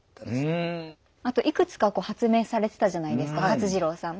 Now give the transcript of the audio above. あといくつかこう発明されてたじゃないですか勝次郎さん。